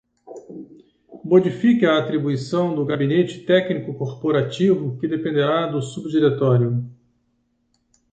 Modifique a atribuição do Gabinete Técnico Corporativo, que dependerá do Subdiretório.